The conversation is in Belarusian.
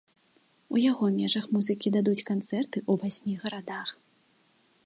У яго межах музыкі дадуць канцэрты ў васьмі гарадах.